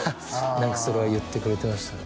何かそれは言ってくれてましたね